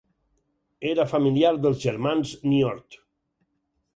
Era familiar dels germans Niort.